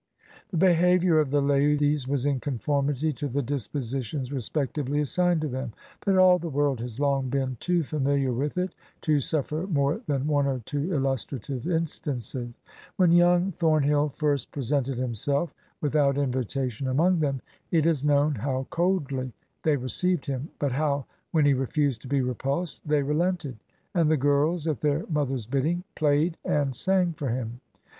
The behavior of the ladies was in conformity to the dispositions respectively assigned to them; but all the world has long been too f amihar with it to suffer more than one or two illustrative instances. When young Thomhill first presented himself without invitation among them, it is known how coldly they received him, but how, when he refused to be repulsed, they relented, and the girls, at their mother's bidding, played and sang for him.